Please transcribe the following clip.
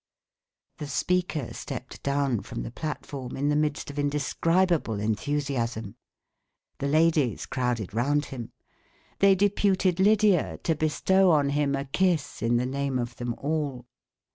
The speaker stepped down from the platform in the midst of indescribable enthusiasm: the ladies crowded round him. They deputed Lydia to bestow on him a kiss in the name of them all.